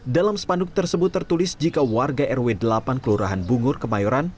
dalam spanduk tersebut tertulis jika warga rw delapan kelurahan bungur kemayoran